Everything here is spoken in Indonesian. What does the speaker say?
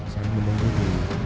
saya tidak berpikir apa yang terjadi